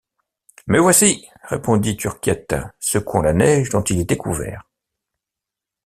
Me voici! répondit Turquiette, secouant la neige dont il était couvert.